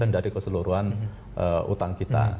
dari keseluruhan utang kita